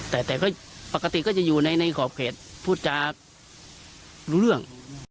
แต่ก็ปกติก็จะอยู่ในขอบเขตพูดจารู้เรื่อง